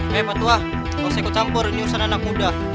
hei patuah lo seko campur ini usaha anak muda